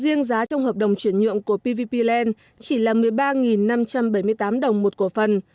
riêng giá trong hợp đồng chuyển nhượng của pvp land chỉ là một mươi ba năm trăm bảy mươi tám đồng một cổ phần